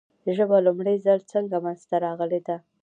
ژبه لومړی ځل څنګه منځ ته راغلې ده ؟